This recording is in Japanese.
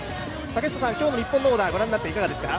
竹下さん、今日の日本のオーダー、ご覧になっていかがですか。